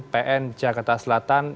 pn jakarta selatan